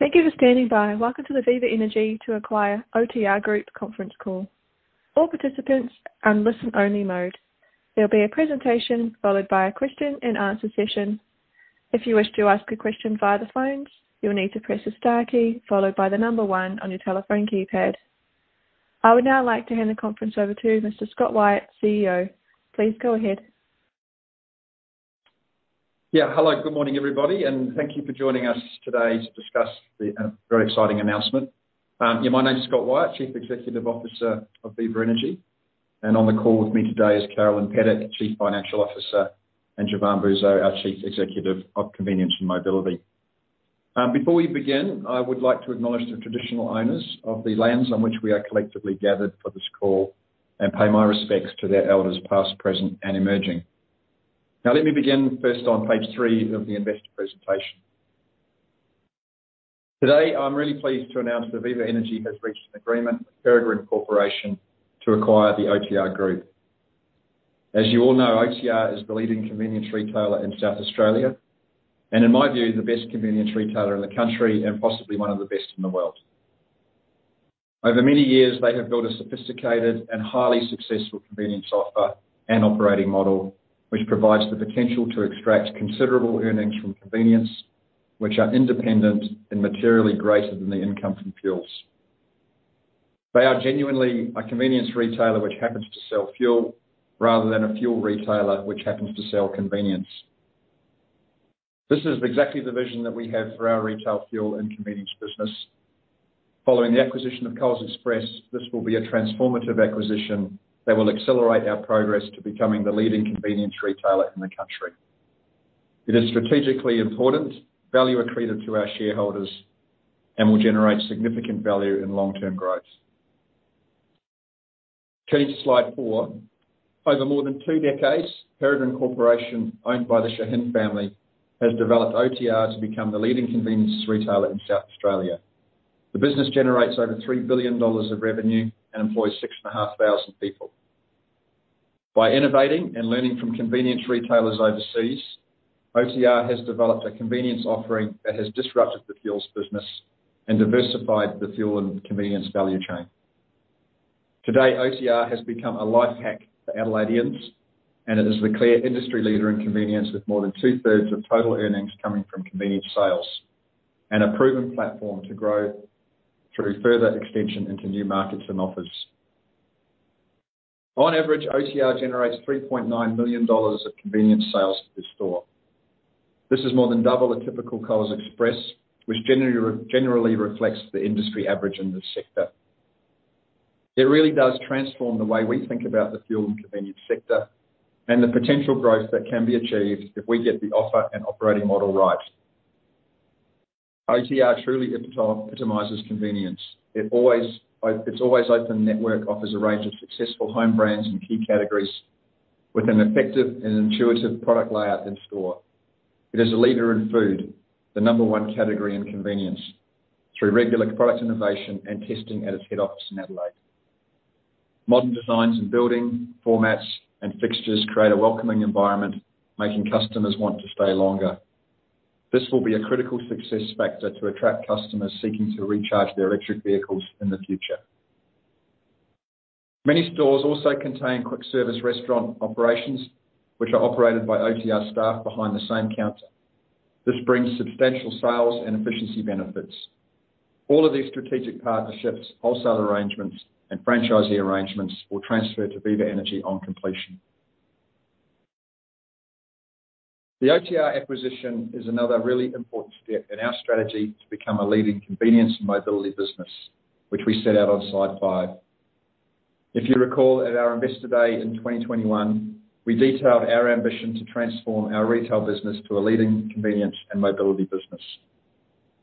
Thank you for standing by. Welcome to the Viva Energy To Acquire OTR Group Conference Call. All participants are in listen only mode. There'll be a presentation followed by a question-and-answer session. If you wish to ask a question via the phones, you'll need to press the star key followed by one on your telephone keypad. I would now like to hand the conference over to Mr. Scott Wyatt, CEO. Please go ahead. Hello, good morning, everybody. Thank you for joining us today to discuss the very exciting announcement. My name is Scott Wyatt, Chief Executive Officer of Viva Energy. On the call with me today is Carolyn Pedic, Chief Financial Officer, and Jevan Bouzo, our Chief Executive of Convenience and Mobility. Before we begin, I would like to acknowledge the traditional owners of the lands on which we are collectively gathered for this call and pay my respects to their elders past, present, and emerging. Let me begin first on page three of the investor presentation. Today, I'm really pleased to announce that Viva Energy has reached an agreement with Peregrine Corporation to acquire the OTR Group. As you all know, OTR is the leading convenience retailer in South Australia and, in my view, the best convenience retailer in the country and possibly one of the best in the world. Over many years, they have built a sophisticated and highly successful convenience offer and operating model, which provides the potential to extract considerable earnings from convenience, which are independent and materially greater than the income from fuels. They are genuinely a convenience retailer which happens to sell fuel rather than a fuel retailer which happens to sell convenience. This is exactly the vision that we have for our retail fuel and convenience business. Following the acquisition of Coles Express, this will be a transformative acquisition that will accelerate our progress to becoming the leading convenience retailer in the country. It is strategically important, value accretive to our shareholders, and will generate significant value in long-term growth. Turning to slide four. Over more than two decades, Peregrine Corporation, owned by the Shahin family, has developed OTR to become the leading convenience retailer in South Australia. The business generates over 3 billion dollars of revenue and employs 6,500 people. By innovating and learning from convenience retailers overseas, OTR has developed a convenience offering that has disrupted the fuels business and diversified the fuel and convenience value chain. Today, OTR has become a life hack for Adelaideans, and it is the clear industry leader in convenience, with more than 2/3 of total earnings coming from convenience sales, and a proven platform to grow through further extension into new markets and offers. On average, OTR generates 3.9 million dollars of convenience sales per store. This is more than double a typical Coles Express, which generally reflects the industry average in this sector. It really does transform the way we think about the fuel and convenience sector and the potential growth that can be achieved if we get the offer and operating model right. OTR truly epitomizes convenience. Its Always Open network offers a range of successful home brands and key categories with an effective and intuitive product layout in store. It is a leader in food, the number one category in convenience, through regular product innovation and testing at its head office in Adelaide. Modern designs and building formats and fixtures create a welcoming environment, making customers want to stay longer. This will be a critical success factor to attract customers seeking to recharge their electric vehicles in the future. Many stores also contain quick service restaurant operations, which are operated by OTR staff behind the same counter. This brings substantial sales and efficiency benefits. All of these strategic partnerships, wholesale arrangements, and franchisee arrangements will transfer to Viva Energy on completion. The OTR acquisition is another really important step in our strategy to become a leading convenience and mobility business, which we set out on slide five. If you recall, at our Investor Day in 2021, we detailed our ambition to transform our retail business to a leading convenience and mobility business.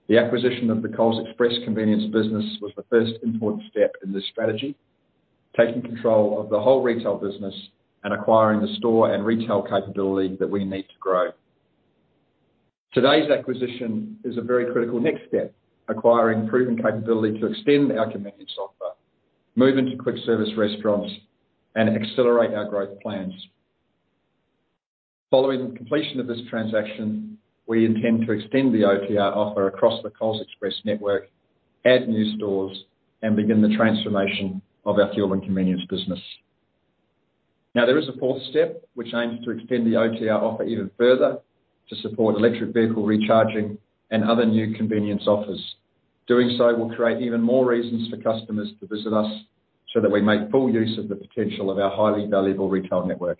The acquisition of the Coles Express convenience business was the first important step in this strategy, taking control of the whole retail business and acquiring the store and retail capability that we need to grow. Today's acquisition is a very critical next step, acquiring proven capability to extend our convenience offer, move into quick service restaurants, and accelerate our growth plans. Following the completion of this transaction, we intend to extend the OTR offer across the Coles Express network, add new stores, and begin the transformation of our fuel and convenience business. Now, there is a fourth step which aims to extend the OTR offer even further to support electric vehicle recharging and other new convenience offers. Doing so will create even more reasons for customers to visit us so that we make full use of the potential of our highly valuable retail network.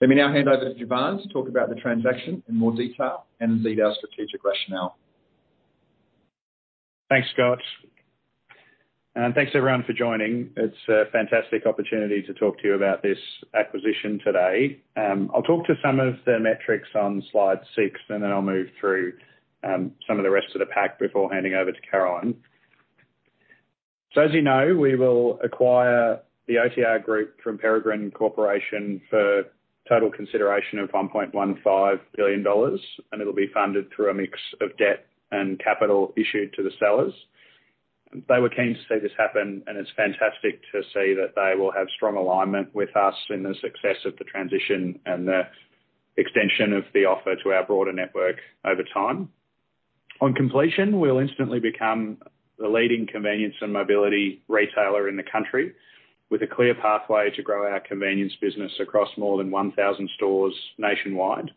Let me now hand over to Jevan to talk about the transaction in more detail and lead our strategic rationale. Thanks, Scott. Thanks, everyone, for joining. It's a fantastic opportunity to talk to you about this acquisition today. I'll talk to some of the metrics on slide six, I'll move through some of the rest of the pack before handing over to Carolyn. As you know, we will acquire the OTR Group from Peregrine Corporation for total consideration of 1.15 billion dollars, it'll be funded through a mix of debt and capital issued to the sellers. They were keen to see this happen, it's fantastic to see that they will have strong alignment with us in the success of the transition and the extension of the offer to our broader network over time. On completion, we'll instantly become the leading convenience and mobility retailer in the country, with a clear pathway to grow our convenience business across more than 1,000 stores nationwide.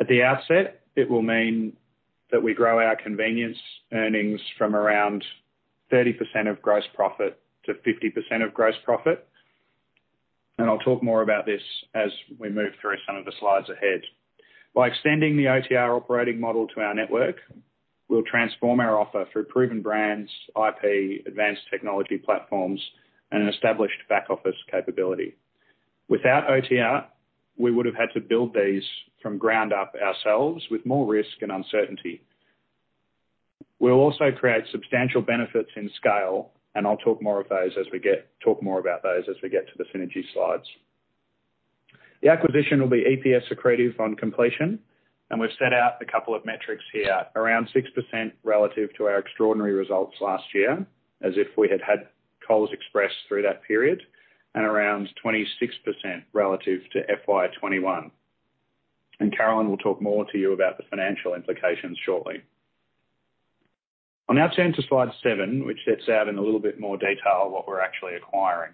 At the outset, it will mean that we grow our convenience earnings from around 30% of gross profit to 50% of gross profit. I'll talk more about this as we move through some of the slides ahead. By extending the OTR operating model to our network, we'll transform our offer through proven brands, IP, advanced technology platforms, and an established back-office capability. Without OTR, we would have had to build these from ground up ourselves with more risk and uncertainty. We'll also create substantial benefits in scale, and I'll talk more about those as we get to the synergy slides. The acquisition will be EPS accretive on completion. We've set out a couple of metrics here, around 6% relative to our extraordinary results last year, as if we had had Coles Express through that period, and around 26% relative to FY2021. Carolyn will talk more to you about the financial implications shortly. I'll now turn to slide seven, which sets out in a little bit more detail what we're actually acquiring.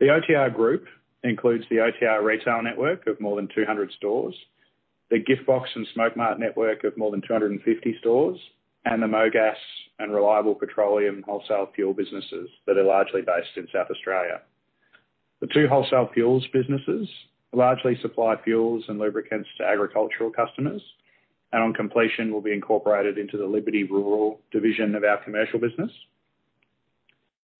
The OTR Group includes the OTR retail network of more than 200 stores, the GiftBox and Smokemart network of more than 250 stores, and the Mogas and Reliable Petroleum wholesale fuel businesses that are largely based in South Australia. The two wholesale fuels businesses largely supply fuels and lubricants to agricultural customers, and on completion, will be incorporated into the Liberty Rural division of our commercial business.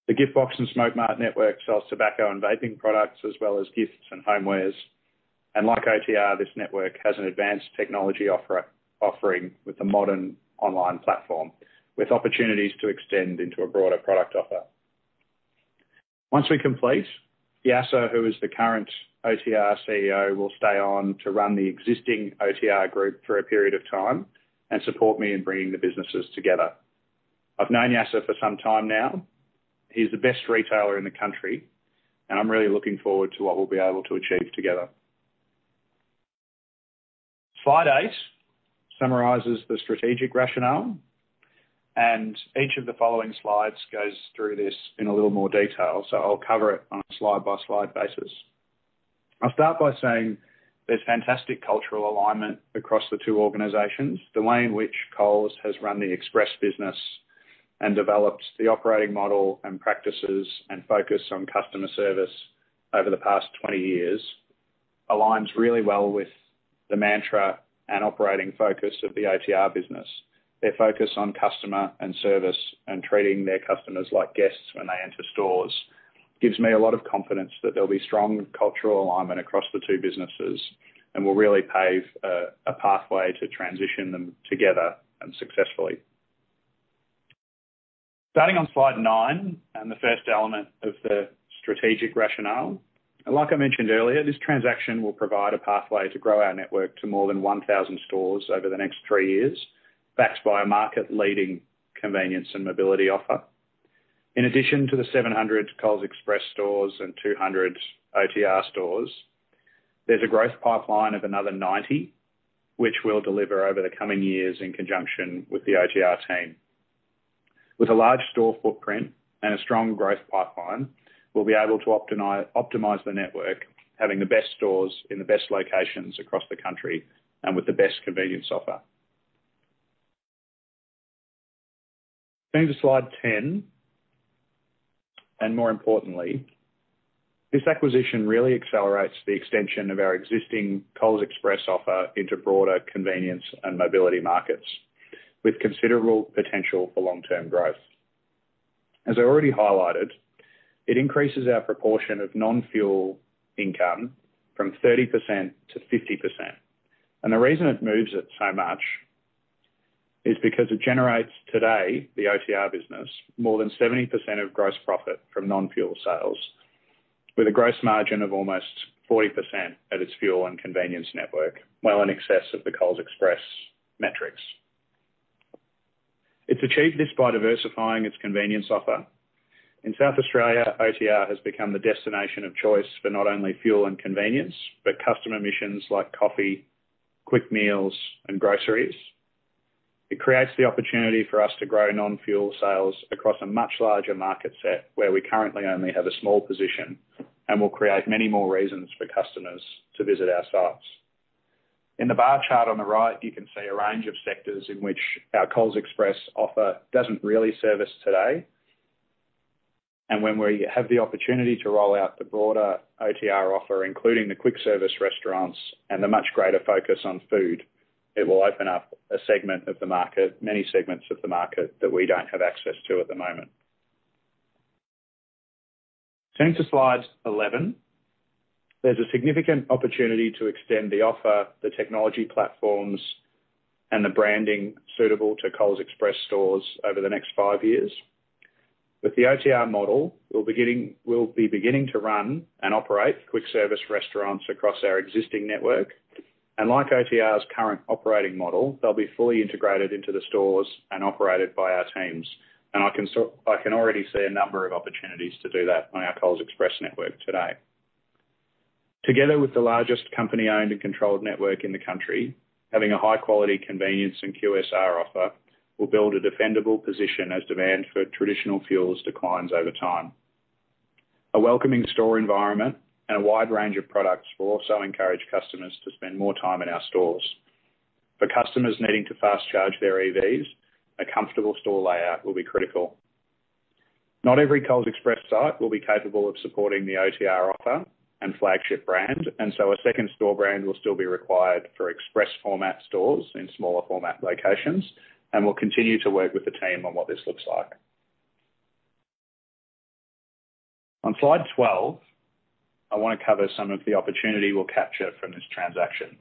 The GiftBox and Smokemart network sells tobacco and vaping products, as well as gifts and homewares. Like OTR, this network has an advanced technology offering with a modern online platform, with opportunities to extend into a broader product offer. Once we complete, Yasser, who is the current OTR CEO, will stay on to run the existing OTR Group for a period of time and support me in bringing the businesses together. I've known Yasser for some time now. He's the best retailer in the country. I'm really looking forward to what we'll be able to achieve together. Slide eight summarizes the strategic rationale. Each of the following slides goes through this in a little more detail. I'll cover it on a slide-by-slide basis. I'll start by saying there's fantastic cultural alignment across the two organizations. The way in which Coles has run the express business and developed the operating model and practices and focus on customer service over the past 20 years aligns really well with the mantra and operating focus of the OTR business. Their focus on customer and service and treating their customers like guests when they enter stores gives me a lot of confidence that there'll be strong cultural alignment across the two businesses and will really pave a pathway to transition them together and successfully. Starting on slide nine and the first element of the strategic rationale, like I mentioned earlier, this transaction will provide a pathway to grow our network to more than 1,000 stores over the next three years, backed by a market-leading convenience and mobility offer. In addition to the 700 Coles Express stores and 200 OTR stores, there's a growth pipeline of another 90, which we'll deliver over the coming years in conjunction with the OTR team. With a large store footprint and a strong growth pipeline, we'll be able to optimize the network, having the best stores in the best locations across the country and with the best convenience offer. More importantly, this acquisition really accelerates the extension of our existing Coles Express offer into broader convenience and mobility markets with considerable potential for long-term growth. As I already highlighted, it increases our proportion of non-fuel income from 30% to 50%. The reason it moves it so much is because it generates today, the OTR business, more than 70% of gross profit from non-fuel sales, with a gross margin of almost 40% at its fuel and convenience network, well in excess of the Coles Express metrics. It's achieved this by diversifying its convenience offer. In South Australia, OTR has become the destination of choice for not only fuel and convenience, but customer missions like coffee, quick meals, and groceries. It creates the opportunity for us to grow non-fuel sales across a much larger market set, where we currently only have a small position and will create many more reasons for customers to visit our sites. In the bar chart on the right, you can see a range of sectors in which our Coles Express offer doesn't really service today. When we have the opportunity to roll out the broader OTR offer, including the quick-service restaurants and a much greater focus on food, it will open up a segment of the market, many segments of the market that we don't have access to at the moment. Turning to slide 11, there's a significant opportunity to extend the offer, the technology platforms, and the branding suitable to Coles Express stores over the next five years. With the OTR model, we'll be beginning to run and operate quick-service restaurants across our existing network, and like OTR's current operating model, they'll be fully integrated into the stores and operated by our teams. I can already see a number of opportunities to do that on our Coles Express network today. Together with the largest company-owned and controlled network in the country, having a high quality convenience and QSR offer will build a defendable position as demand for traditional fuels declines over time. A welcoming store environment and a wide range of products will also encourage customers to spend more time in our stores. For customers needing to fast-charge their EVs, a comfortable store layout will be critical. Not every Coles Express site will be capable of supporting the OTR offer and flagship brand, and so a second store brand will still be required for express format stores in smaller format locations, and we'll continue to work with the team on what this looks like. On slide 12, I wanna cover some of the opportunity we'll capture from this transaction.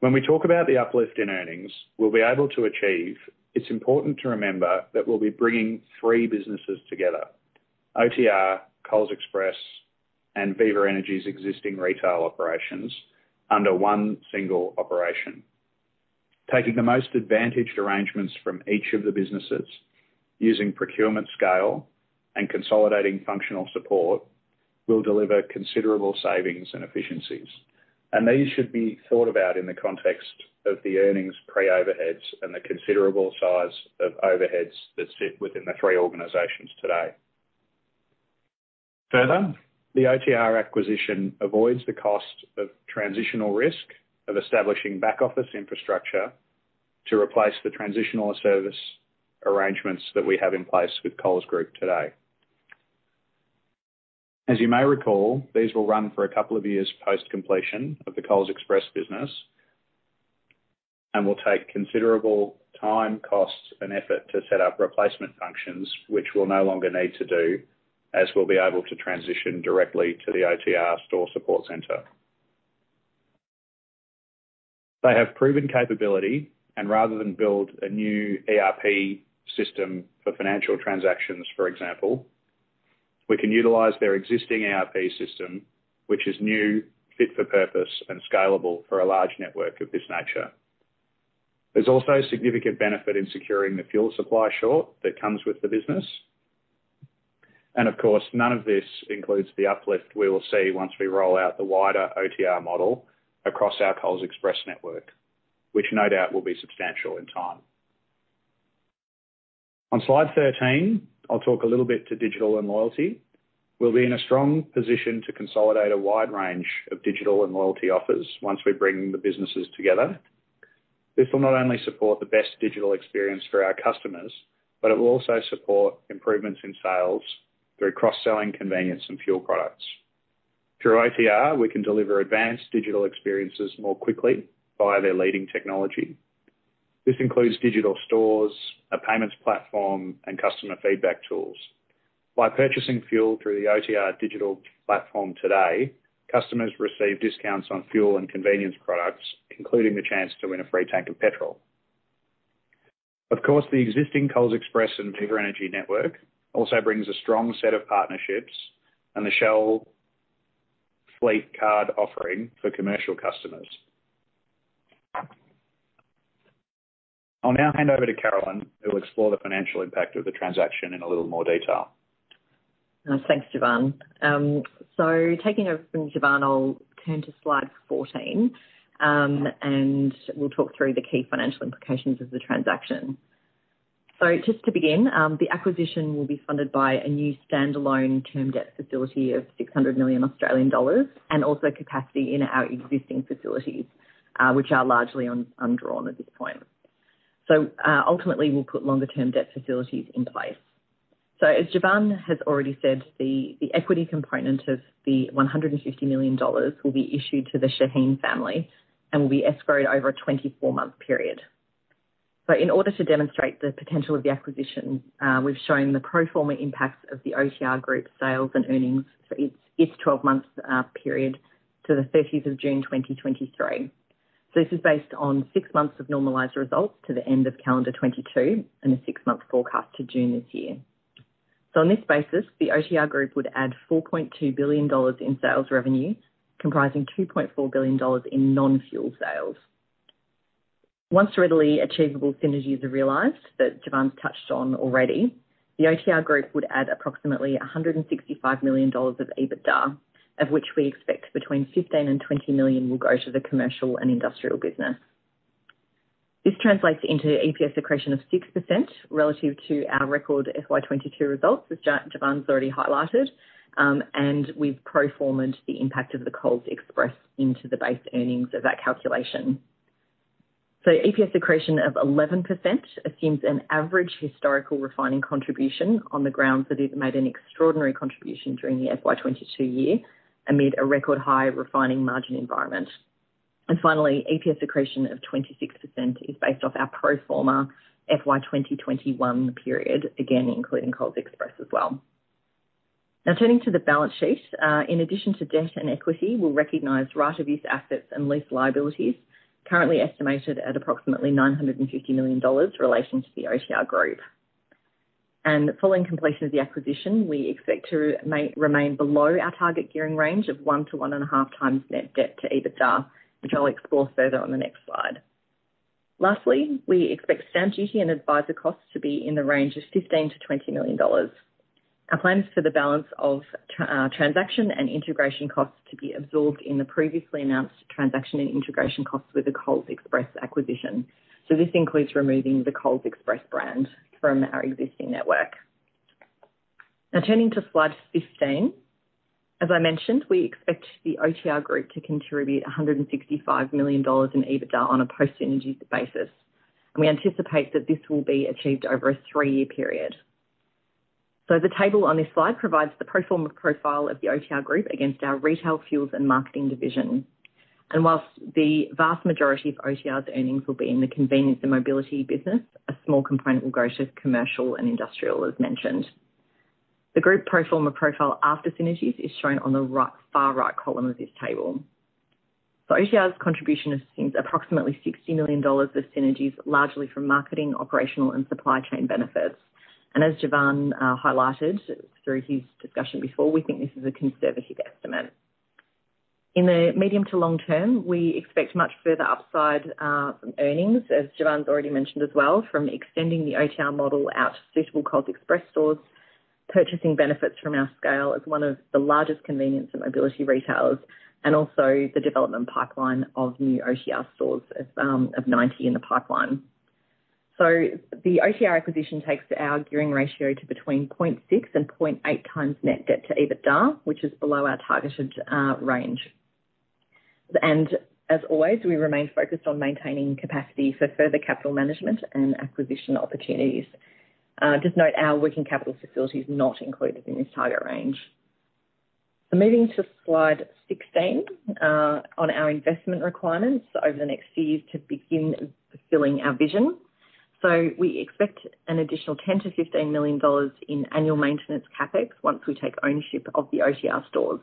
When we talk about the uplift in earnings we'll be able to achieve, it's important to remember that we'll be bringing three businesses together, OTR, Coles Express, and Viva Energy's existing retail operations, under one single operation. Taking the most advantaged arrangements from each of the businesses, using procurement scale and consolidating functional support will deliver considerable savings and efficiencies. These should be thought about in the context of the earnings pre-overheads and the considerable size of overheads that sit within the three organizations today. Further, the OTR acquisition avoids the cost of transitional risk of establishing back office infrastructure to replace the transitional service arrangements that we have in place with Coles Group today. As you may recall, these will run for a couple of years post-completion of the Coles Express business and will take considerable time, costs, and effort to set up replacement functions which we'll no longer need to do as we'll be able to transition directly to the OTR store support center. They have proven capability, rather than build a new ERP system for financial transactions, for example, we can utilize their existing ERP system, which is new, fit for purpose, and scalable for a large network of this nature. There's also significant benefit in securing the fuel supply short that comes with the business. Of course, none of this includes the uplift we will see once we roll out the wider OTR model across our Coles Express network, which no doubt will be substantial in time. On slide 13, I'll talk a little bit to digital and loyalty. We'll be in a strong position to consolidate a wide range of digital and loyalty offers once we bring the businesses together. This will not only support the best digital experience for our customers, but it will also support improvements in sales through cross-selling convenience and fuel products. Through OTR, we can deliver advanced digital experiences more quickly via their leading technology. This includes digital stores, a payments platform, and customer feedback tools. By purchasing fuel through the OTR digital platform today, customers receive discounts on fuel and convenience products, including the chance to win a free tank of petrol. Of course, the existing Coles Express and Viva Energy network also brings a strong set of partnerships and the Shell Fleet Card offering for commercial customers. I'll now hand over to Carolyn, who will explore the financial impact of the transaction in a little more detail. Thanks, Jevan. Taking over from Jevan, I'll turn to slide 14, and we'll talk through the key financial implications of the transaction. Just to begin, the acquisition will be funded by a new standalone term debt facility of 600 million Australian dollars and also capacity in our existing facilities, which are largely undrawn at this point. Ultimately, we'll put longer term debt facilities in place. As Jevan has already said, the equity component of the 150 million dollars will be issued to the Shahin family and will be escrowed over a 24-month period. In order to demonstrate the potential of the acquisition, we've shown the pro forma impacts of the OTR Group sales and earnings for each 12-month period to June 30, 2023. This is based on six months of normalized results to the end of calendar 2022 and a six-month forecast to June this year. On this basis, the OTR Group would add 4.2 billion dollars in sales revenue, comprising 2.4 billion dollars in non-fuel sales. Once readily achievable synergies are realized, that Jevan's touched on already, the OTR Group would add approximately 165 million dollars of EBITDA, of which we expect between 15 million and 20 million will go to the commercial and industrial business. This translates into EPS accretion of 6% relative to our record FY2022 results, which Jevan's already highlighted, and we've pro formed the impact of the Coles Express into the base earnings of that calculation. EPS accretion of 11% assumes an average historical refining contribution on the grounds that it made an extraordinary contribution during the FY2022 year amid a record high refining margin environment. Finally, EPS accretion of 26% is based off our pro forma FY2021 period, again, including Coles Express as well. Now turning to the balance sheet. In addition to debt and equity, we'll recognize right-of-use assets and lease liabilities currently estimated at approximately 950 million dollars relating to the OTR Group. Following completion of the acquisition, we expect to remain below our target gearing range of 1-1.5 times net debt to EBITDA, which I'll explore further on the next slide. Lastly, we expect stamp duty and advisor costs to be in the range of 15 million-20 million dollars. Our plans for the balance of transaction and integration costs to be absorbed in the previously announced transaction and integration costs with the Coles Express acquisition. This includes removing the Coles Express brand from our existing network. Turning to slide 15. As I mentioned, we expect the OTR Group to contribute $165 million in EBITDA on a post-synergy basis, and we anticipate that this will be achieved over a three-year period. The table on this slide provides the pro forma profile of the OTR Group against our retail fuels and marketing division. Whilst the vast majority of OTR's earnings will be in the convenience and mobility business, a small component will go to commercial and industrial, as mentioned. The group pro forma profile after synergies is shown on the far right column of this table. OTR's contribution assumes approximately 60 million dollars of synergies, largely from marketing, operational, and supply chain benefits. As Jevan highlighted through his discussion before, we think this is a conservative estimate. In the medium to long term, we expect much further upside from earnings, as Jevan's already mentioned as well, from extending the OTR model out to suitable Coles Express stores, purchasing benefits from our scale as one of the largest convenience and mobility retailers, and also the development pipeline of new OTR stores as of 90 in the pipeline. The OTR acquisition takes our gearing ratio to between 0.6 and 0.8 times net debt to EBITDA, which is below our targeted range. As always, we remain focused on maintaining capacity for further capital management and acquisition opportunities. Just note our working capital facility is not included in this target range. Moving to slide 16 on our investment requirements over the next few years to begin fulfilling our vision. We expect an additional 10 million-15 million dollars in annual maintenance CapEx once we take ownership of the OTR stores.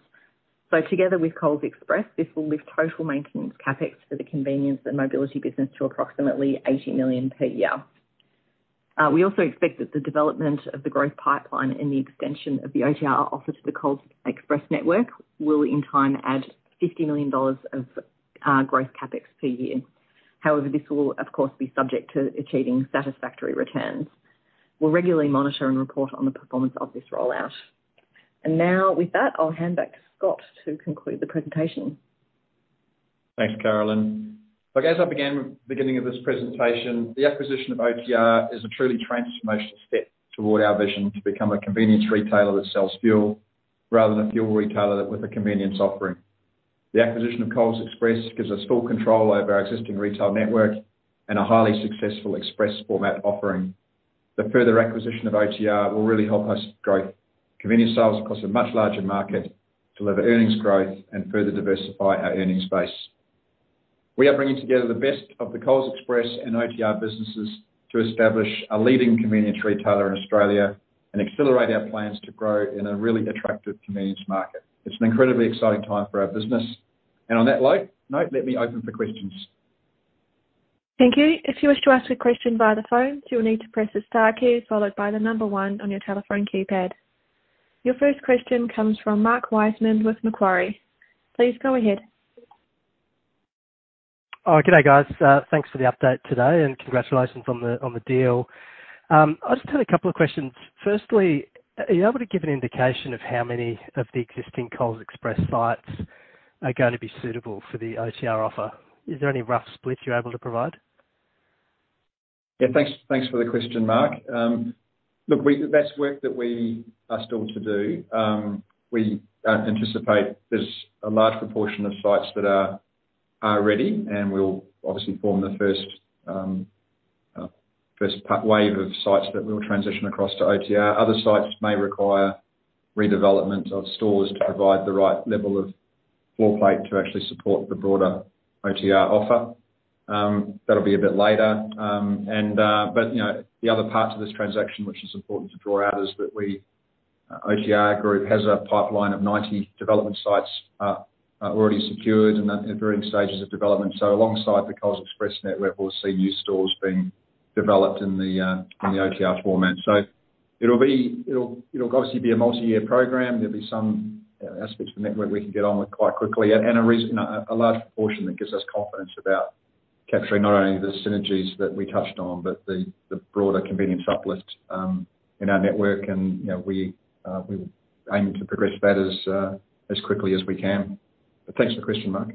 Together with Coles Express, this will lift total maintenance CapEx for the convenience and mobility business to approximately 80 million per year. We also expect that the development of the growth pipeline and the extension of the OTR offer to the Coles Express network will, in time, add 50 million dollars of growth CapEx per year. However, this will of course be subject to achieving satisfactory returns. We'll regularly monitor and report on the performance of this rollout. With that, I'll hand back to Scott to conclude the presentation. Thanks, Carolyn. Look, beginning of this presentation, the acquisition of OTR is a truly transformational step toward our vision to become a convenience retailer that sells fuel rather than a fuel retailer that with a convenience offering. The acquisition of Coles Express gives us full control over our existing retail network and a highly successful express format offering. The further acquisition of OTR will really help us grow convenience sales across a much larger market, deliver earnings growth, and further diversify our earnings base. We are bringing together the best of the Coles Express and OTR businesses to establish a leading convenience retailer in Australia and accelerate our plans to grow in a really attractive convenience market. It's an incredibly exciting time for our business. On that note, let me open for questions. Thank you. If you wish to ask a question via the phone, you'll need to press the star key followed by the number one on your telephone keypad. Your first question comes from Mark Wiseman with Macquarie. Please go ahead. G'day, guys. Thanks for the update today, congratulations on the deal. I just had a couple of questions. Firstly, are you able to give an indication of how many of the existing Coles Express sites are going to be suitable for the OTR offer? Is there any rough split you're able to provide? Yeah, thanks for the question, Mark. Look, that's work that we are still to do. We anticipate there's a large proportion of sites that are ready and will obviously form the first wave of sites that we'll transition across to OTR. Other sites may require redevelopment of stores to provide the right level of floor plate to actually support the broader OTR offer. That'll be a bit later. You know, the other part to this transaction, which is important to draw out, is that we, OTR Group has a pipeline of 90 development sites already secured and at, and during stages of development. Alongside the Coles Express network, we'll see new stores being developed in the OTR format. It'll obviously be a multi-year program. There'll be some aspects of the network we can get on with quite quickly and a large proportion that gives us confidence about capturing not only the synergies that we touched on, but the broader convenience uplift in our network. You know, we aim to progress that as quickly as we can. Thanks for the question, Mark.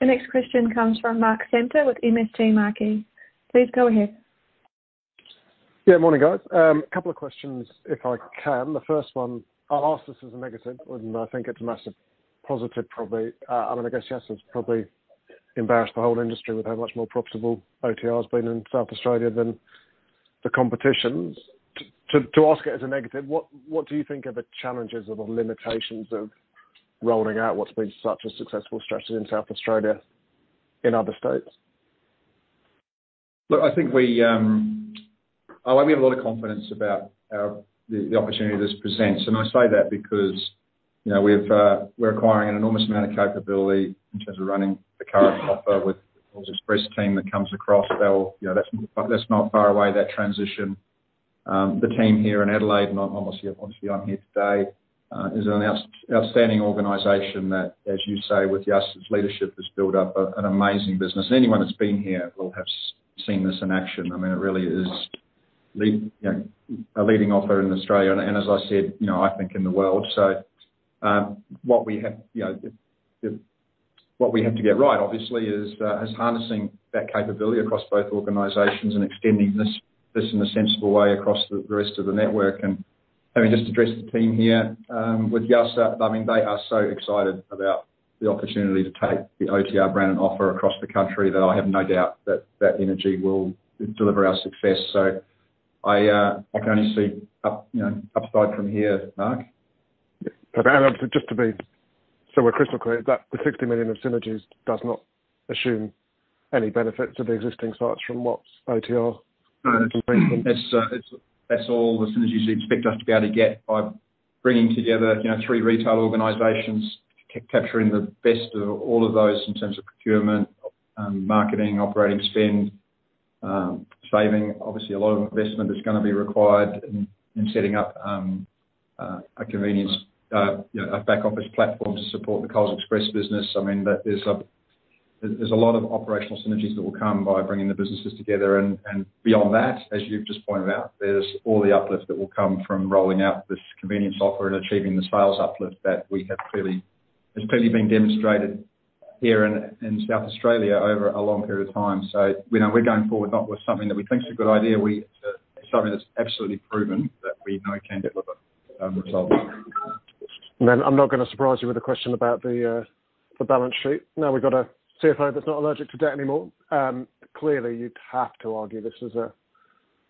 The next question comes from Mark Samter with MST Marquee. Please go ahead. Yeah, morning, guys. A couple of questions, if I can. The first one, I'll ask this as a negative. I think it's a massive positive probably. I mean, I guess, yes, it's probably embarrassed the whole industry with how much more profitable OTR has been in South Australia than the competition. To ask it as a negative, what do you think are the challenges or the limitations of rolling out what's been such a successful strategy in South Australia? In other states. Look, I think we, well, we have a lot of confidence about the opportunity this presents. I say that because, you know, we've, we're acquiring an enormous amount of capability in terms of running the current offer with Coles Express team that comes across. They'll, you know, that's not far away, that transition. The team here in Adelaide, and obviously I'm here today, is an outstanding organization that, as you say, with Yasser's leadership, has built up an amazing business. Anyone that's been here will have seen this in action. I mean, it really is a leading offer in Australia, and as I said, you know, I think in the world. What we have to get right, obviously, is harnessing that capability across both organizations and extending this in a sensible way across the rest of the network. Having just addressed the team here, with Yasser, I mean, they are so excited about the opportunity to take the OTR brand and offer across the country that I have no doubt that that energy will deliver our success. I can only see up, you know, upside from here, Mark. Yeah. Just to be so we're crystal clear that the 60 million of synergies does not assume any benefits of the existing sites from what's OTR- No. from Queensland. It's, that's all the synergies you'd expect us to be able to get by bringing together, you know, three retail organizations, capturing the best of all of those in terms of procurement, marketing, operating spend, saving. Obviously, a lot of investment is gonna be required in setting up, a convenience, you know, a back office platform to support the Coles Express business. I mean, there's a lot of operational synergies that will come by bringing the businesses together. Beyond that, as you've just pointed out, there's all the uplift that will come from rolling out this convenience offer and achieving the sales uplift that has clearly been demonstrated here in South Australia over a long period of time. You know, we're going forward not with something that we think is a good idea. We, something that's absolutely proven that we know can deliver results. I'm not gonna surprise you with a question about the balance sheet. Now we've got a CFO that's not allergic to debt anymore. Clearly, you'd have to argue this is a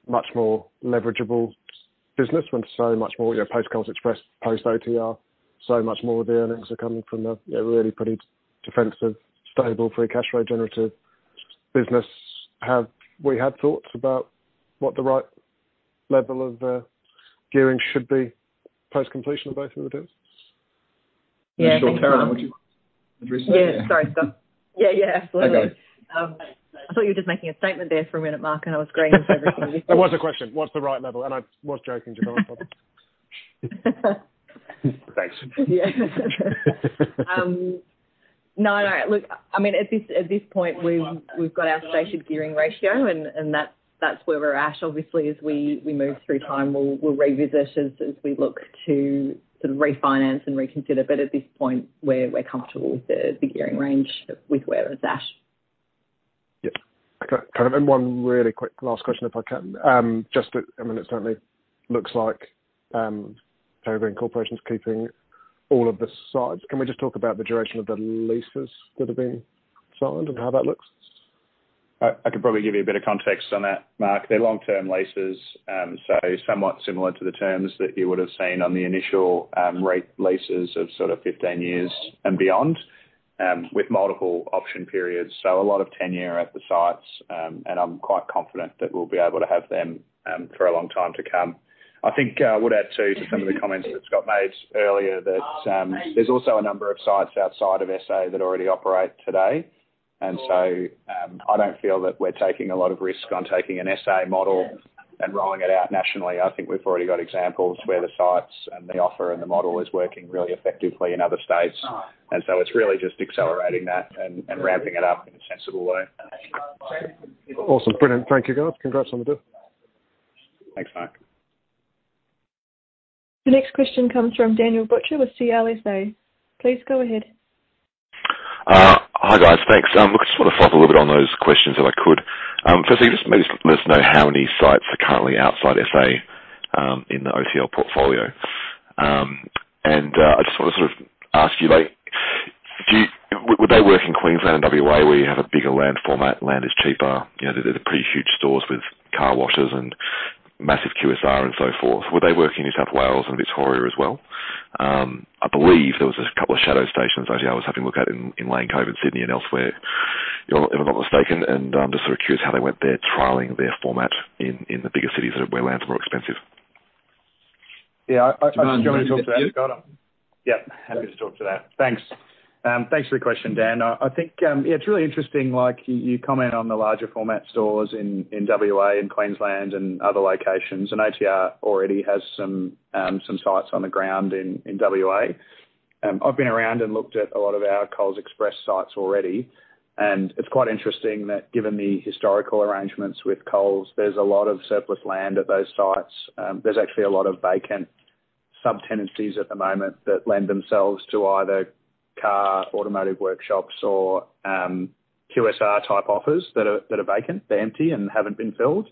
much more leverageable business when so much more, you know, post Coles Express, post OTR, so much more of the earnings are coming from the, you know, really pretty defensive, stable free cash flow generative business. We had thoughts about what the right level of gearing should be post-completion of both of the deals? Yeah. Sure. Carolyn, would you address that? Yeah. Sorry, Scott. Yeah, yeah, absolutely. Okay. I thought you were just making a statement there for a minute, Mark, and I was agreeing with everything you said. It was a question. What's the right level? I was joking, Carolyn. Thanks. Yeah. No, no. Look, I mean, at this point, we've got our stated gearing ratio, and that's where we're at. Obviously, as we move through time, we'll revisit as we look to sort of refinance and reconsider. At this point we're comfortable with the gearing range with where it's at. Yeah. Okay. One really quick last question, if I can. Just, I mean, it certainly looks like Peregrine Corporation is keeping all of the sites. Can we just talk about the duration of the leases that have been signed and how that looks? I could probably give you a bit of context on that, Mark. They're long-term leases, somewhat similar to the terms that you would have seen on the initial re-leases of sort of 15 years and beyond, with multiple option periods. A lot of tenure at the sites, and I'm quite confident that we'll be able to have them for a long time to come. I think I would add too, to some of the comments that Scott made earlier, that there's also a number of sites outside of SA that already operate today. I don't feel that we're taking a lot of risk on taking an SA model and rolling it out nationally. I think we've already got examples where the sites and the offer and the model is working really effectively in other states. It's really just accelerating that and ramping it up in a sensible way. Awesome. Brilliant. Thank you, guys. Congrats on the deal. Thanks, Mark. The next question comes from Daniel Butcher with CLSA. Please go ahead. Hi, guys. Thanks. Look, I just wanna follow up a little bit on those questions if I could. Firstly, just let us know how many sites are currently outside SA in the OTR portfolio. I just wanna sort of ask you, like, Would they work in Queensland and WA where you have a bigger land format, land is cheaper, you know, they're pretty huge stores with car washes and massive QSR and so forth. Would they work in New South Wales and Victoria as well? I believe there was a couple of shadow stations OTR was having a look at in Lane Cove and Sydney and elsewhere, if I'm not mistaken, and I'm just sort of curious how they went there trialing their format in the bigger cities where lands are more expensive. Yeah. Do you want me to talk to that, Scott? Yeah. Happy to talk to that. Thanks. Thanks for the question, Dan. I think, yeah, it's really interesting, like, you comment on the larger format stores in WA and Queensland and other locations. OTR already has some sites on the ground in WA. I've been around and looked at a lot of our Coles Express sites already. It's quite interesting that given the historical arrangements with Coles, there's a lot of surplus land at those sites. There's actually a lot of vacant sub-tenancies at the moment that lend themselves to either car, automotive workshops or QSR-type offers that are vacant. They're empty and haven't been filled.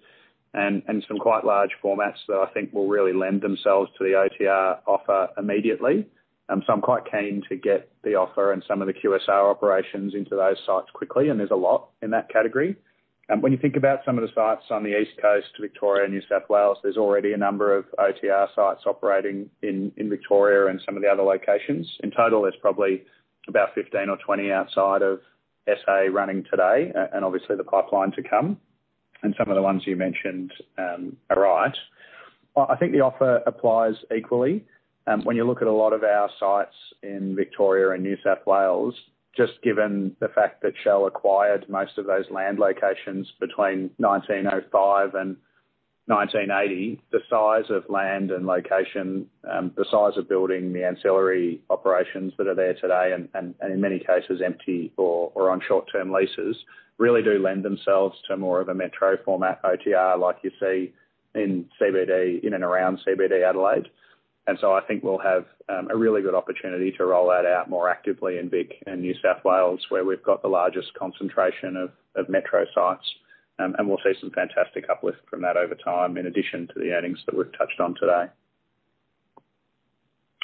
Some quite large formats that I think will really lend themselves to the OTR offer immediately. I'm quite keen to get the offer and some of the QSR operations into those sites quickly, and there's a lot in that category. When you think about some of the sites on the East Coast, Victoria, New South Wales, there's already a number of OTR sites operating in Victoria and some of the other locations. In total, there's probably about 15 or 20 outside of SA running today, and obviously the pipeline to come and some of the ones you mentioned, are right. I think the offer applies equally. When you look at a lot of our sites in Victoria and New South Wales, just given the fact that Shell acquired most of those land locations between 1905 and 1980, the size of land and location, the size of building the ancillary operations that are there today and in many cases empty or on short-term leases, really do lend themselves to more of a metro format OTR like you see in CBD, in and around CBD Adelaide. I think we'll have a really good opportunity to roll that out more actively in Vic and New South Wales, where we've got the largest concentration of metro sites. And we'll see some fantastic uplift from that over time in addition to the earnings that we've touched on today.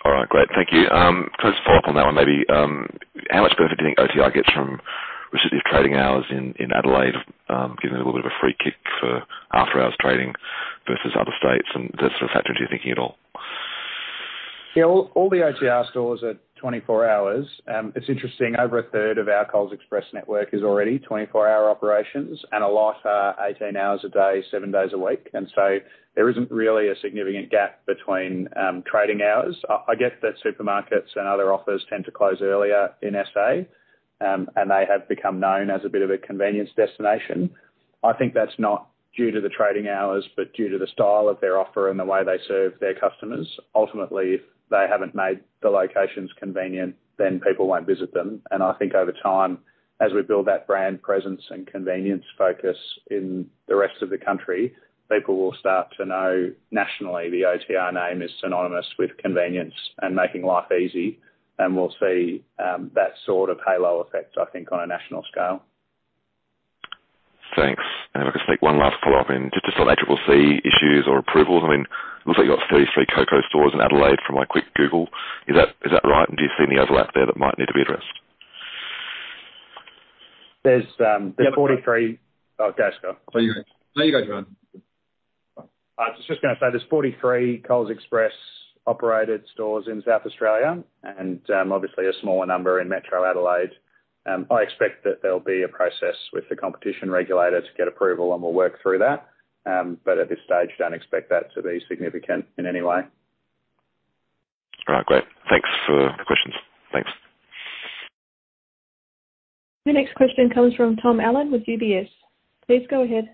All right, great. Thank you. Can I just follow up on that one maybe, how much benefit do you think OTR gets from recessive trading hours in Adelaide, giving it a little bit of a free kick for after-hours trading versus other states? Does that sort of factor into your thinking at all? Yeah, all the OTR stores are 24 hours. It's interesting, over a third of our Coles Express network is already 24-hour operations and a lot are 18 hours a day, seven days a week. There isn't really a significant gap between trading hours. I get that supermarkets and other offers tend to close earlier in SA, and they have become known as a bit of a convenience destination. I think that's not due to the trading hours but due to the style of their offer and the way they serve their customers. Ultimately, if they haven't made the locations convenient, then people won't visit them. I think over time, as we build that brand presence and convenience focus in the rest of the country, people will start to know nationally the OTR name is synonymous with convenience and making life easy, and we'll see that sort of halo effect, I think, on a national scale. Thanks. If I can sneak one last follow-up in, just on ACCC issues or approvals. I mean, looks like you've got 33 Coles stores in Adelaide from my quick Google. Is that right? Do you see any overlap there that might need to be addressed? There's 43. Yeah. Oh, go, Scott. No, you go. No, you go, Jevan. I was just gonna say there's 43 Coles Express operated stores in South Australia and, obviously a smaller number in Metro Adelaide. I expect that there'll be a process with the competition regulator to get approval, and we'll work through that. At this stage, don't expect that to be significant in any way. All right, great. Thanks for the questions. Thanks. The next question comes from Tom Allen with UBS. Please go ahead.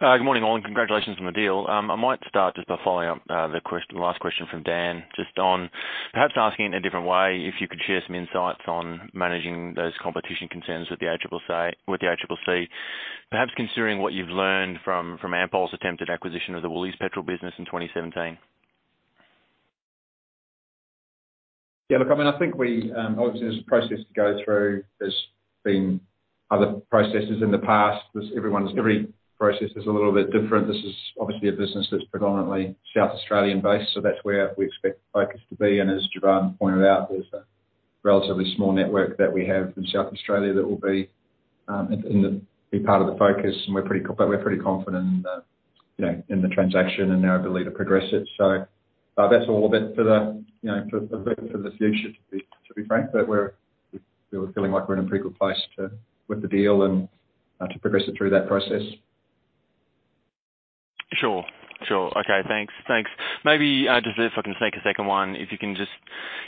Good morning, all, and congratulations on the deal. I might start just by following up the last question from Dan, just on perhaps asking in a different way if you could share some insights on managing those competition concerns with the FIRB, with the ACCC, perhaps considering what you've learned from Ampol's attempted acquisition of the Woolworths Petrol business in 2017. Yeah, look, I mean, I think we obviously there's a process to go through. There's been other processes in the past. Every process is a little bit different. This is obviously a business that's predominantly South Australian-based. That's where we expect the focus to be. As Jevan pointed out, there's a relatively small network that we have from South Australia that will be part of the focus. We're pretty confident, you know, in the transaction and our ability to progress it. That's all a bit for the, you know, for the future to be, to be frank. We're feeling like we're in a pretty good place to, with the deal and to progress it through that process. Sure. Sure. Okay, thanks. Thanks. Maybe, just if I can sneak a second one, if you can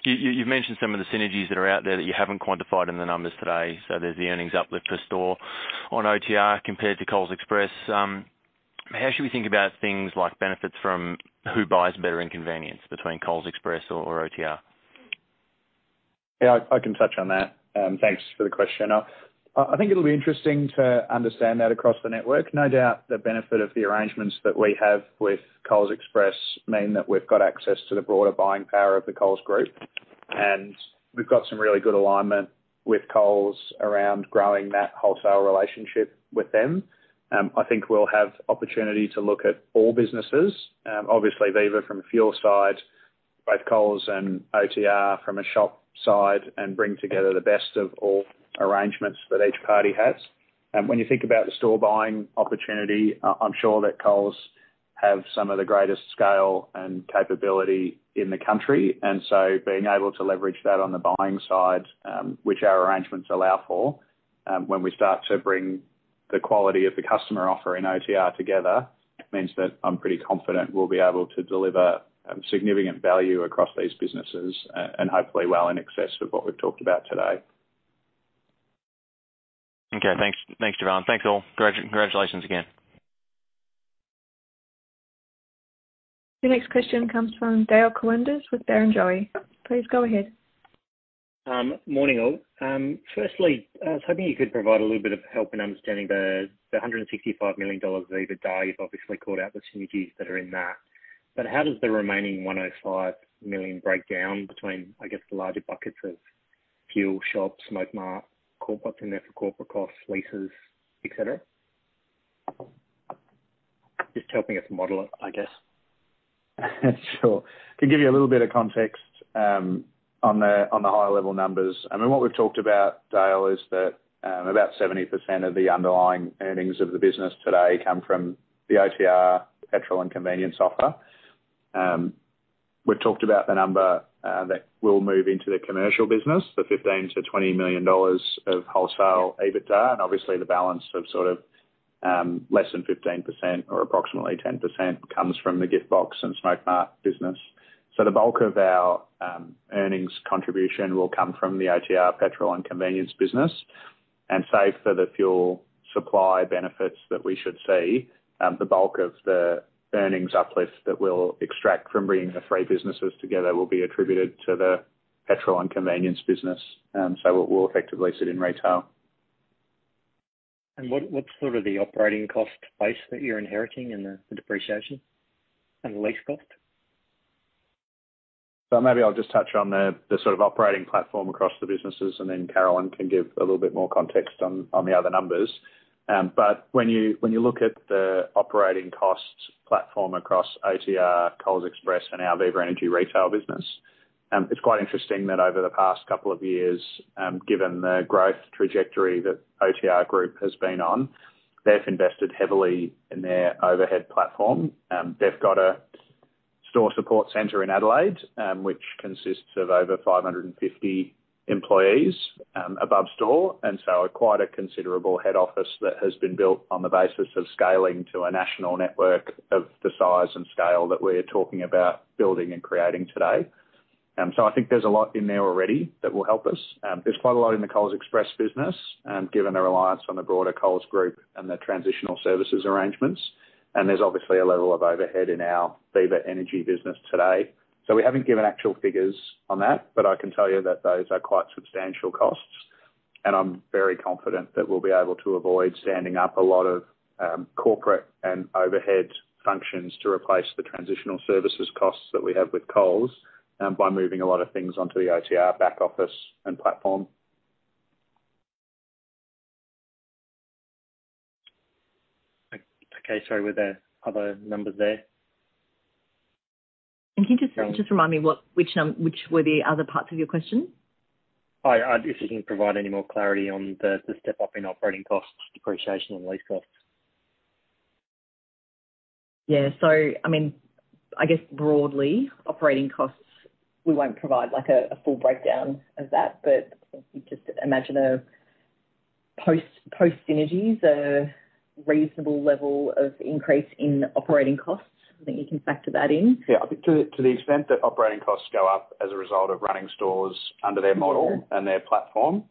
you've mentioned some of the synergies that are out there that you haven't quantified in the numbers today. There's the earnings uplift per store on OTR compared to Coles Express. How should we think about things like benefits from who buys better inconvenience between Coles Express or OTR? Yeah, I can touch on that. Thanks for the question. I think it'll be interesting to understand that across the network. No doubt the benefit of the arrangements that we have with Coles Express mean that we've got access to the broader buying power of the Coles Group, we've got some really good alignment with Coles around growing that wholesale relationship with them. I think we'll have opportunity to look at all businesses, obviously Viva from a fuel side, both Coles and OTR from a shop side, bring together the best of all arrangements that each party has. When you think about the store buying opportunity, I'm sure that Coles have some of the greatest scale and capability in the country, and so being able to leverage that on the buying side, which our arrangements allow for, when we start to bring the quality of the customer offer in OTR together, it means that I'm pretty confident we'll be able to deliver significant value across these businesses, and hopefully well in excess of what we've talked about today. Okay. Thanks. Thanks, Jevan. Thanks, all. Congratulations again. The next question comes from Dale Koenders with Barrenjoey. Please go ahead. Morning, all. Firstly, I was hoping you could provide a little bit of help in understanding the 165 million dollars EBITDA. You've obviously called out the synergies that are in that. How does the remaining 105 million break down between, I guess, the larger buckets of fuel, shops, Smokemart, corporate, and therefore corporate costs, leases, et cetera? Just helping us model it, I guess. Sure. To give you a little bit of context, on the high level numbers, I mean, what we've talked about, Dale, is that about 70% of the underlying earnings of the business today come from the OTR petrol and convenience offer. We've talked about the number that will move into the commercial business, the 15 million-20 million dollars of wholesale EBITDA. Obviously, the balance of sort of less than 15% or approximately 10% comes from the GiftBox and Smokemart business. The bulk of our earnings contribution will come from the OTR petrol and convenience business. Save for the fuel supply benefits that we should see, the bulk of the earnings uplift that we'll extract from bringing the three businesses together will be attributed to the petrol and convenience business. It will effectively sit in retail. What's sort of the operating cost base that you're inheriting and the depreciation and lease cost? Maybe I'll just touch on the sort of operating platform across the businesses, and then Carolyn Pedic can give a little bit more context on the other numbers. But when you, when you look at the operating costs platform across OTR, Coles Express and our Viva Energy retail business, it's quite interesting that over the past couple of years, given the growth trajectory that OTR Group has been on, they've invested heavily in their overhead platform. They've got a store support center in Adelaide, which consists of over 550 employees, above store, and so are quite a considerable head office that has been built on the basis of scaling to a national network of the size and scale that we're talking about building and creating today. I think there's a lot in there already that will help us. There's quite a lot in the Coles Express business, given the reliance on the broader Coles Group and the transitional services arrangements, and there's obviously a level of overhead in our Viva Energy business today. We haven't given actual figures on that, but I can tell you that those are quite substantial costs, and I'm very confident that we'll be able to avoid standing up a lot of corporate and overhead functions to replace the transitional services costs that we have with Coles, by moving a lot of things onto the OTR back office and platform. Okay. Sorry, were there other numbers there? Can you just remind me which were the other parts of your question? I, if you can provide any more clarity on the step-up in operating costs, depreciation and lease costs. Yeah. I mean, I guess broadly operating costs, we won't provide like a full breakdown of that, but if you just imagine a post synergies, a reasonable level of increase in operating costs, I think you can factor that in. Yeah. I think to the extent that operating costs go up as a result of running stores under their model. Mm-hmm. Their platform,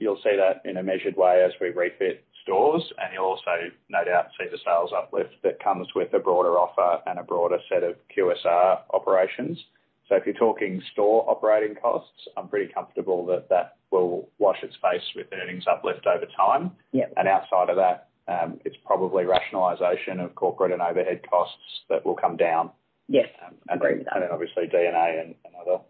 you'll see that in a measured way as we refit stores, and you'll also no doubt see the sales uplift that comes with a broader offer and a broader set of QSR operations. If you're talking store operating costs, I'm pretty comfortable that that will wash its face with earnings uplift over time. Yeah. Outside of that, it's probably rationalization of corporate and overhead costs that will come down. Yes. Agree with that. Then obviously D&A and other.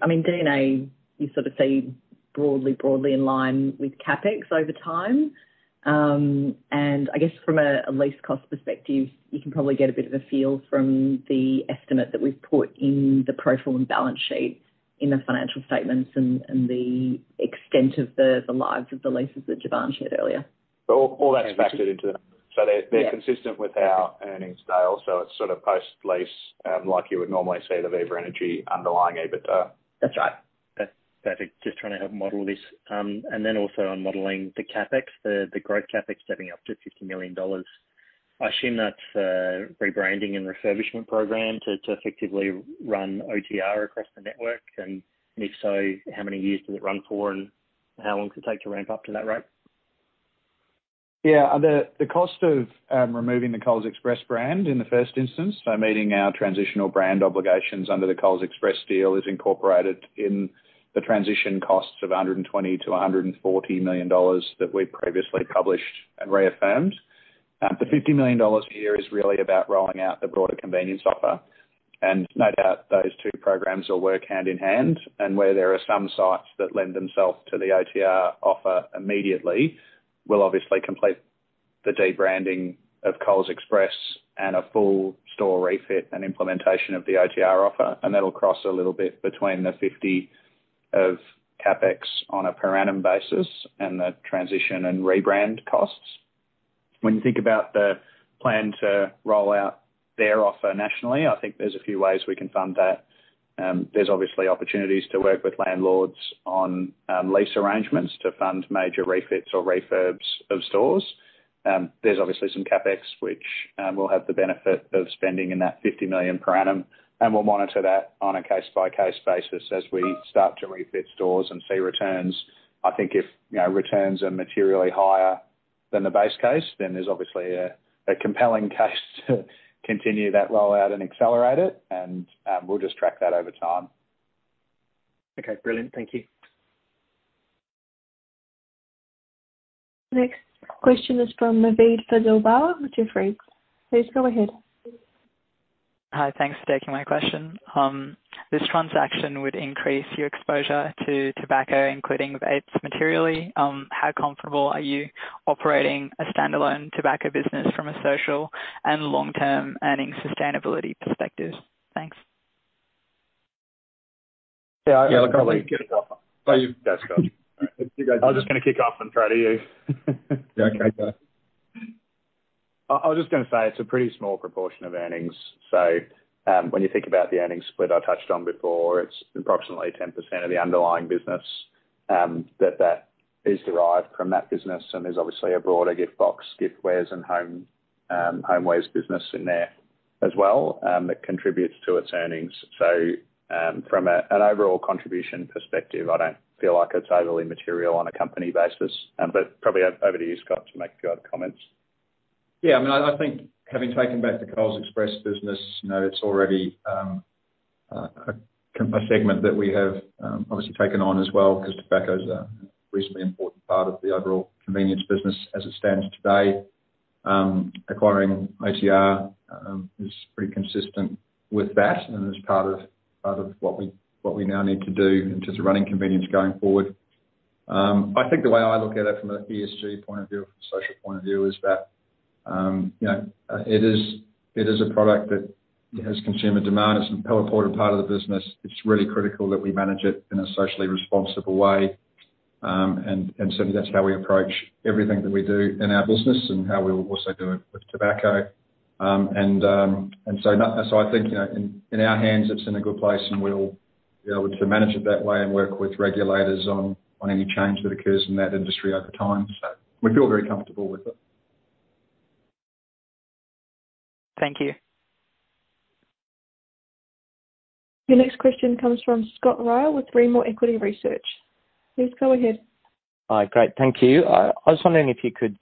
I mean, D&A, you sort of see broadly in line with CapEx over time. I guess from a lease cost perspective, you can probably get a bit of a feel from the estimate that we've put in the pro forma balance sheet in the financial statements and the extent of the lives of the leases that Jevan shared earlier. All that's factored into that. Yeah. They're consistent with our earnings style. It's sort of post-lease, like you would normally see the Viva Energy underlying EBITDA. That's right. That's perfect. Just trying to help model this. Also on modeling the CapEx, the growth CapEx stepping up to 50 million dollars, I assume that's a rebranding and refurbishment program to effectively run OTR across the network. If so, how many years does it run for, and how long does it take to ramp up to that rate? The cost of removing the Coles Express brand in the first instance, so meeting our transitional brand obligations under the Coles Express deal is incorporated in the transition costs of $120 million-$140 million that we previously published and reaffirmed. The $50 million a year is really about rolling out the broader convenience offer. No doubt those two programs will work hand in hand. Where there are some sites that lend themselves to the OTR offer immediately, we'll obviously complete the debranding of Coles Express and a full store refit and implementation of the OTR offer. That'll cross a little bit between the $50 of CapEx on a per annum basis and the transition and rebrand costs. When you think about the plan to roll out their offer nationally, I think there's a few ways we can fund that. There's obviously opportunities to work with landlords on lease arrangements to fund major refits or refurbs of stores. There's obviously some CapEx which will have the benefit of spending in that 50 million per annum, and we'll monitor that on a case-by-case basis as we start to refit stores and see returns. I think if, you know, returns are materially higher than the base case, then there's obviously a compelling case to continue that rollout and accelerate it and we'll just track that over time. Okay. Brilliant. Thank you. Next question is from Naveed Fazal Bawa with Jefferies. Please go ahead. Hi. Thanks for taking my question. This transaction would increase your exposure to tobacco, including vapes materially. How comfortable are you operating a standalone tobacco business from a social and long-term earnings sustainability perspective? Thanks. Yeah. Yeah, look. Go for it. Go. That's good. I was just gonna kick off and throw to you. Yeah, okay. I was just gonna say it's a pretty small proportion of earnings. When you think about the earnings split I touched on before, it's approximately 10% of the underlying business that is derived from that business. There's obviously a broader GiftBox, giftwares, and home homewares business in there as well that contributes to its earnings. From an overall contribution perspective, I don't feel like it's overly material on a company basis. Probably over to you, Scott, to make your other comments. I mean, I think having taken back the Coles Express business, you know, it's already a segment that we have obviously taken on as well, 'cause tobacco's a reasonably important part of the overall convenience business as it stands today. Acquiring OTR is pretty consistent with that and is part of what we now need to do in terms of running convenience going forward. I think the way I look at it from an ESG point of view or from a social point of view is that, you know, it is a product that has consumer demand. It's an important part of the business. It's really critical that we manage it in a socially responsible way, and certainly that's how we approach everything that we do in our business and how we will also do it with tobacco. I think, you know, in our hands it's in a good place, and we'll be able to manage it that way and work with regulators on any change that occurs in that industry over time. We feel very comfortable with it. Thank you. Your next question comes from Scott Ryall with Rimor Equity Research. Please go ahead. Hi. Great. Thank you. I was wondering if you could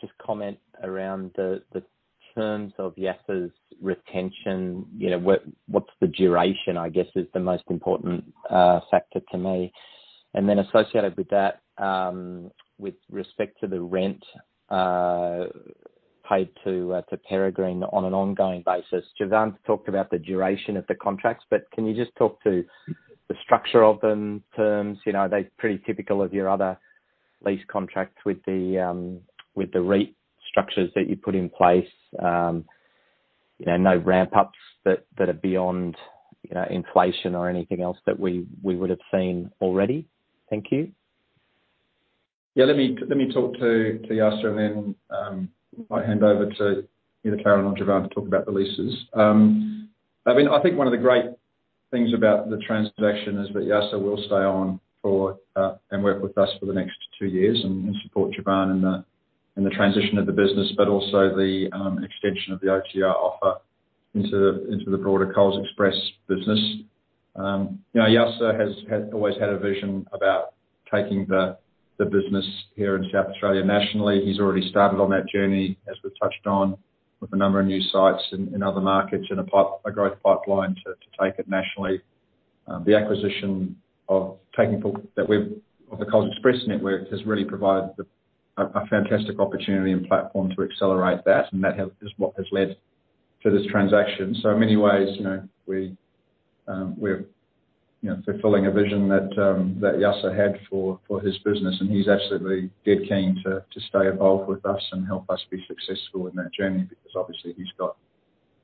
just comment around the terms of Yasser's retention, you know, what's the duration, I guess, is the most important factor to me. Then associated with that, with respect to the rent paid to Peregrine on an ongoing basis. Jevan talked about the duration of the contracts, can you just talk to the structure of them, terms, you know, are they pretty typical of your other lease contracts with the REIT structures that you put in place? You know, no ramp ups that are beyond, you know, inflation or anything else that we would have seen already? Thank you. Let me talk to Yasser and then I'll hand over to either Carolyn or Jevan to talk about the leases. I think one of the great things about the transaction is that Yasser will stay on for and work with us for the next two years and support Jevan in the transition of the business, but also the extension of the OTR offer into the broader Coles Express business. Yasser has always had a vision about taking the business here in South Australia nationally. He's already started on that journey, as we've touched on, with a growth pipeline to take it nationally. The acquisition of the Coles Express network has really provided a fantastic opportunity and platform to accelerate that, and that is what has led to this transaction. In many ways, you know, we're, you know, fulfilling a vision that Yasser had for his business, and he's absolutely dead keen to stay involved with us and help us be successful in that journey, because obviously he's got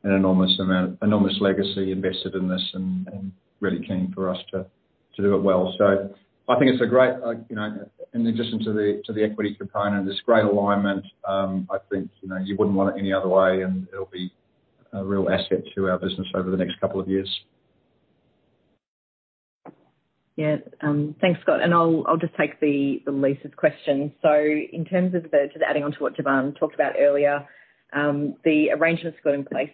an enormous amount, enormous legacy invested in this and really keen for us to do it well. I think it's a great, you know, in addition to the equity component, this great alignment, I think, you know, you wouldn't want it any other way and it'll be a real asset to our business over the next couple of years. Thanks, Scott, and I'll just take the leases question. In terms of just adding on to what Jevan talked about earlier, the arrangements we've got in place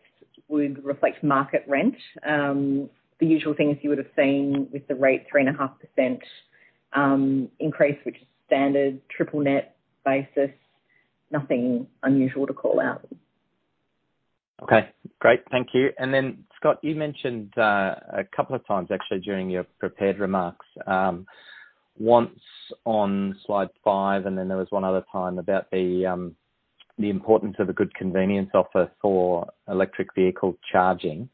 would reflect market rent. The usual things you would've seen with the rate 3.5% increase, which is standard triple net basis, nothing unusual to call out. Okay. Great. Thank you. Scott, you mentioned, a couple of times actually during your prepared remarks, once on slide five and then there was one other time about the importance of a good convenience offer for electric vehicle charging.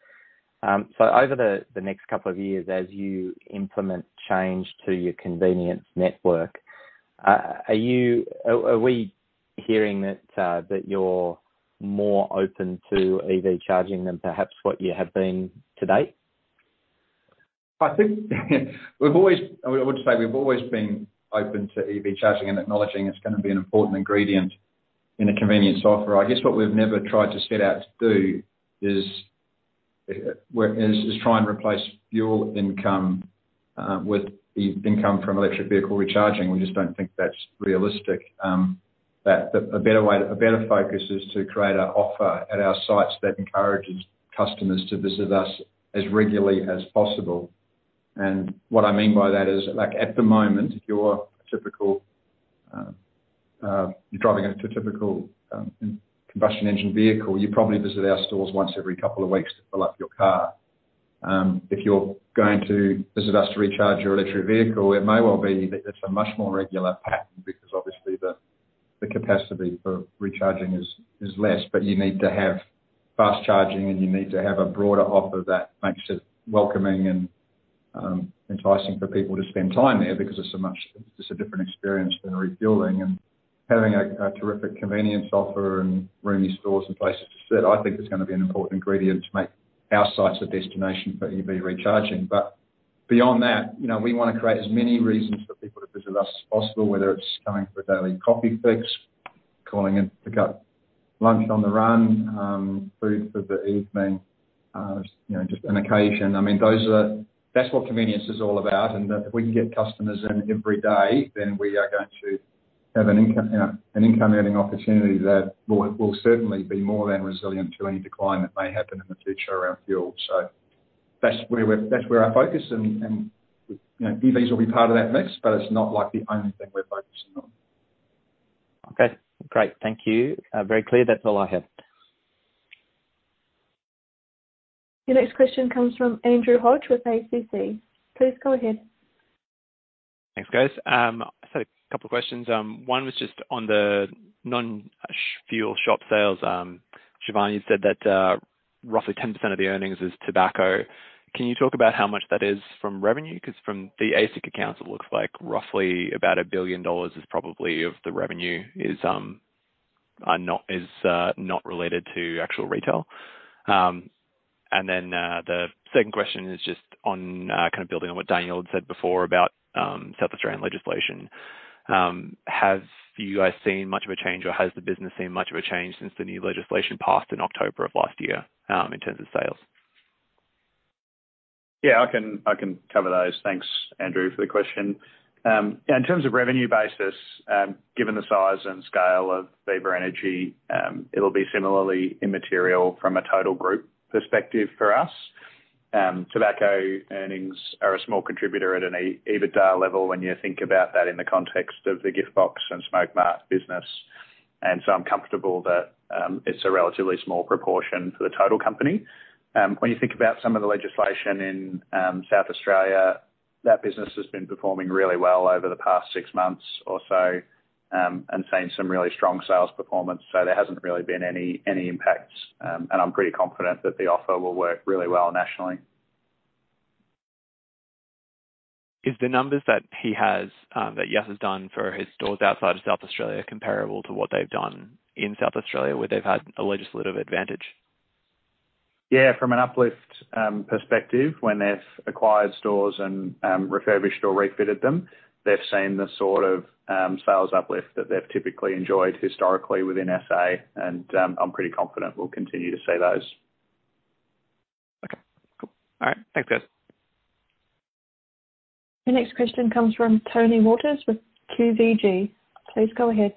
Over the next couple of years, as you implement change to your convenience network, Are we hearing that you're more open to EV charging than perhaps what you have been to date? I would say we've always been open to EV charging and acknowledging it's gonna be an important ingredient in a convenience offer. I guess what we've never tried to set out to do is try and replace fuel income with the income from electric vehicle recharging. We just don't think that's realistic. That a better way, a better focus is to create a offer at our sites that encourages customers to visit us as regularly as possible. What I mean by that is, like at the moment, if you're a typical, you're driving a typical combustion engine vehicle, you probably visit our stores once every couple of weeks to fill up your car. If you're going to visit us to recharge your electric vehicle, it may well be that it's a much more regular pattern because obviously the capacity for recharging is less. You need to have fast charging, and you need to have a broader offer that makes it welcoming and enticing for people to spend time there because it's a much. It's a different experience than refueling and having a terrific convenience offer and roomy stores and places to sit, I think is gonna be an important ingredient to make our sites a destination for EV recharging. Beyond that, you know, we wanna create as many reasons for people to visit us as possible, whether it's coming for a daily coffee fix, calling in to pick up lunch on the run, food for the evening, you know, just an occasion. I mean, that's what convenience is all about. If we can get customers in every day, then we are going to have an income, you know, an income earning opportunity that will certainly be more than resilient to any decline that may happen in the future around fuel. That's where our focus and, you know, EVs will be part of that mix, but it's not like the only thing we're focusing on. Okay, great. Thank you. Very clear. That's all I have. Your next question comes from Andrew Hodge with ACC. Please go ahead. Thanks, guys. I just had a couple questions. One was just on the non-fuel shop sales. Jevan, you said that roughly 10% of the earnings is tobacco. Can you talk about how much that is from revenue? From the ASIC accounts, it looks like roughly about 1 billion dollars is probably of the revenue is not related to actual retail. The second question is just on kind of building on what Daniel had said before about South Australian legislation. Have you guys seen much of a change or has the business seen much of a change since the new legislation passed in October of last year in terms of sales? Yeah, I can cover those. Thanks, Andrew, for the question. In terms of revenue basis, given the size and scale of Viva Energy, it'll be similarly immaterial from a total group perspective for us. Tobacco earnings are a small contributor at an EBITDA level when you think about that in the context of the GiftBox and Smokemart business. I'm comfortable that it's a relatively small proportion for the total company. When you think about some of the legislation in South Australia, that business has been performing really well over the past six months or so, and seen some really strong sales performance. There hasn't really been any impacts. I'm pretty confident that the offer will work really well nationally. Is the numbers that he has, that Yasser has done for his stores outside of South Australia comparable to what they've done in South Australia, where they've had a legislative advantage? Yeah, from an uplift, perspective, when they've acquired stores and, refurbished or refitted them, they've seen the sort of, sales uplift that they've typically enjoyed historically within SA. I'm pretty confident we'll continue to see those. Okay. Cool. All right. Thanks, guys. Your next question comes from Tony Waters with QVG. Please go ahead.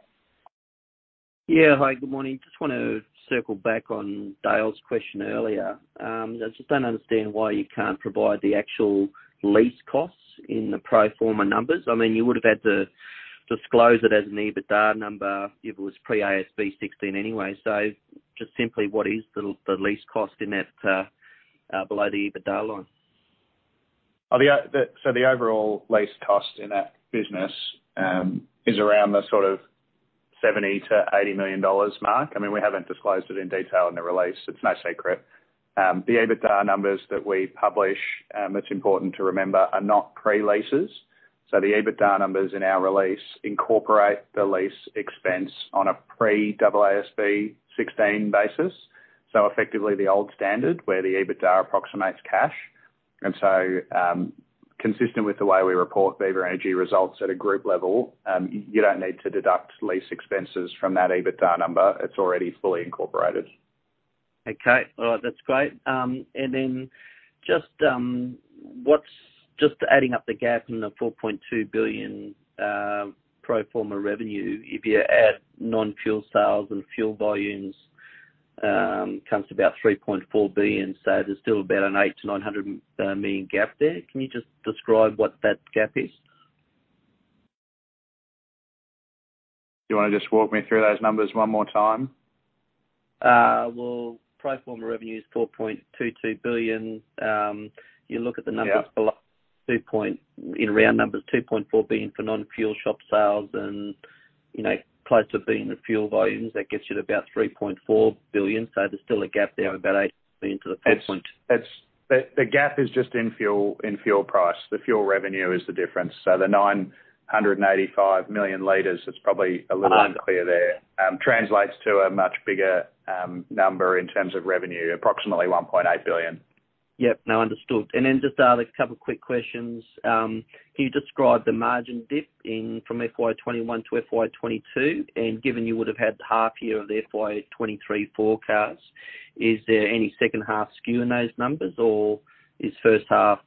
Yeah. Hi, good morning. Just wanna circle back on Dale's question earlier. I just don't understand why you can't provide the actual lease costs in the pro forma numbers. I mean, you would've had to disclose it as an EBITDA number if it was pre AASB 16 anyway. just simply, what is the lease cost in that below the EBITDA line? The overall lease cost in that business is around the sort of 70 million-80 million dollars mark. I mean, we haven't disclosed it in detail in the release. It's no secret. The EBITDA numbers that we publish, it's important to remember, are not pre-leases. The EBITDA numbers in our release incorporate the lease expense on a pre double AASB 16 basis. Effectively, the old standard where the EBITDA approximates cash. Consistent with the way we report Viva Energy results at a group level, you don't need to deduct lease expenses from that EBITDA number. It's already fully incorporated. Okay. All right. That's great. Then just adding up the gap in the 4.2 billion pro forma revenue, if you add non-fuel sales and fuel volumes, comes to about 3.4 billion. There's still about an 800 million-900 million gap there. Can you just describe what that gap is? Do you wanna just walk me through those numbers one more time? Well, pro forma revenue is 4.22 billion. Yeah. Below, in round numbers, 2.4 billion for non-fuel shop sales and, you know, close to being the fuel volumes, that gets you to about 3.4 billion. There's still a gap there of about 8 billion to the full point. The gap is just in fuel price. The fuel revenue is the difference. The 985 million liters, it's probably a little unclear there, translates to a much bigger number in terms of revenue, approximately 1.8 billion. Yep. No, understood. There's a couple quick questions. Can you describe the margin dip in from FY2021 to FY2022? Given you would've had half year of the FY2023 forecast, is there any second half skew in those numbers, or is first half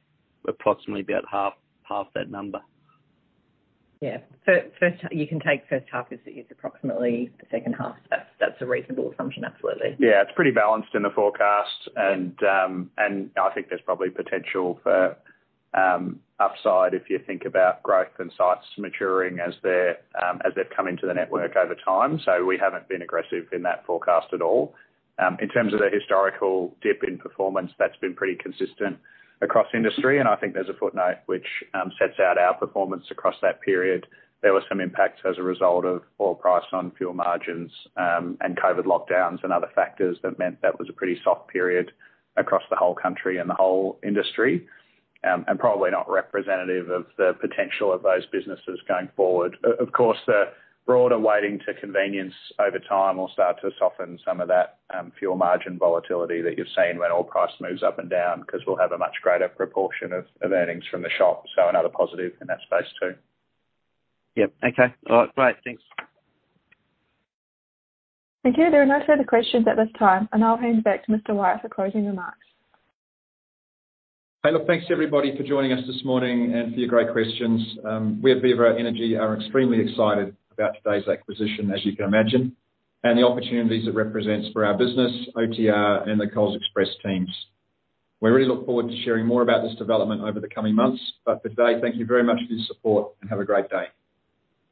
approximately about half that number? Yeah. first, you can take first half as approximately the second half. That's a reasonable assumption, absolutely. Yeah. It's pretty balanced in the forecast. I think there's probably potential for upside if you think about growth and sites maturing as they've come into the network over time. We haven't been aggressive in that forecast at all. In terms of the historical dip in performance, that's been pretty consistent across industry, and I think there's a footnote which sets out our performance across that period. There were some impacts as a result of oil price on fuel margins, and COVID lockdowns and other factors that meant that was a pretty soft period across the whole country and the whole industry, and probably not representative of the potential of those businesses going forward. Of course, the broader weighting to convenience over time will start to soften some of that fuel margin volatility that you're seeing when oil price moves up and down, 'cause we'll have a much greater proportion of earnings from the shop. Another positive in that space too. Yep. Okay. All right. Great. Thanks. Thank you. There are no further questions at this time. I'll hand it back to Mr. Wyatt for closing remarks. Hey, look, thanks everybody for joining us this morning and for your great questions. We at Viva Energy are extremely excited about today's acquisition, as you can imagine, and the opportunities it represents for our business, OTR and the Coles Express teams. We really look forward to sharing more about this development over the coming months. For today, thank you very much for your support and have a great day.